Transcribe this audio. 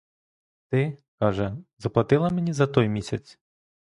Ти, каже, заплатила мені за той місяць?